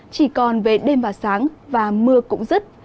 chỉ còn về đêm và sáng và mưa cũng rứt